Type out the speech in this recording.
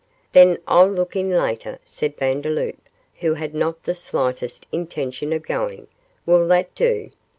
'Then I'll look in later,' said Vandeloup, who had not the slightest intention of going. 'Will that do?